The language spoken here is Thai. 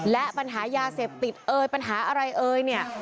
และปัญหายาเสพติดเอยปัญหาอะไรเอ่ยเนี่ย